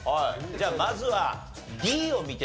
じゃあまずはＤを見てみましょう。